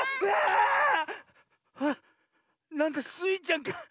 あっなんだスイちゃんか。